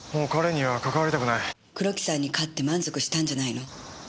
黒木さんに勝って満足したんじゃないの？